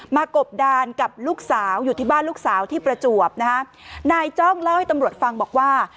กบดานกับลูกสาวอยู่ที่บ้านลูกสาวที่ประจวบนะฮะนายจ้องเล่าให้ตำรวจฟังบอกว่า